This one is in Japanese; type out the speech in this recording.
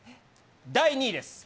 第２位です。